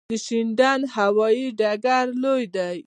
د شینډنډ هوايي ډګر لوی دی